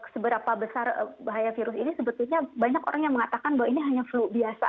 seberapa besar bahaya virus ini sebetulnya banyak orang yang mengatakan bahwa ini hanya flu biasa